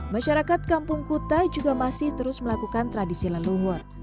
masyarakat kampung kuta juga masih terus melakukan tradisi leluhur